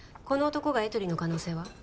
この男がエトリの可能性は？